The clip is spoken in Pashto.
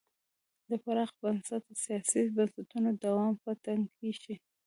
د پراخ بنسټه سیاسي بنسټونو دوام به ټکنی شي.